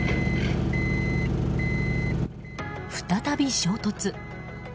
再び衝突。